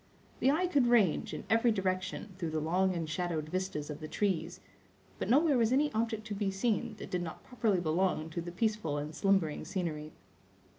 The eye could range, in every direction, through the long and shadowed vistas of the trees; but nowhere was any object to be seen that did not properly belong to the peaceful and slumbering scenery.